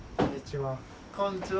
こんにちは。